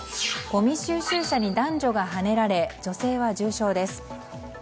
ごみ収集車に男女がはねられ女性は重傷です。